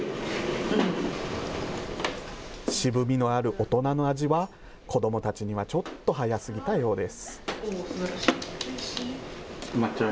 大人の味は、子どもたちにはちょっと早すぎたようです。